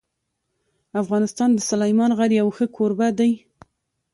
افغانستان د سلیمان غر یو ښه کوربه دی.